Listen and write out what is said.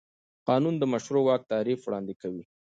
قانون د مشروع واک تعریف وړاندې کوي.